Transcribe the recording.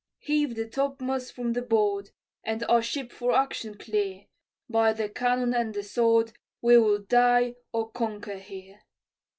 "Heave the topmast from the board, And our ship for action clear, By the cannon and the sword, We will die or conquer here.